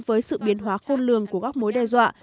với sự biến hóa khôn lường của các mối đe dọa